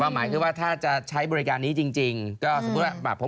หมายคือว่าถ้าจะใช้บริการนี้จริงก็สมมุติว่าแบบผม